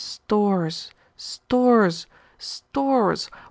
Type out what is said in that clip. Stores! stores! stores!